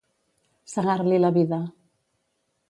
Segar-li la vida.